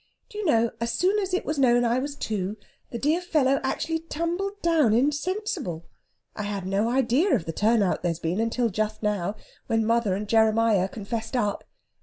Do you know, as soon as it was known I was to,[B] the dear fellow actually tumbled down insensible! I had no idea of the turn out there's been until just now, when mother and Jeremiah confessed up.